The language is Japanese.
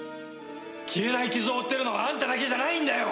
消えない傷を負ってるのはあんただけじゃないんだよ！